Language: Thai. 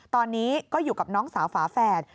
ตอนนี้ก็อยู่กับน้องสาวฝาแฝด